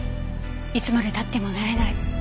いつまで経っても慣れない。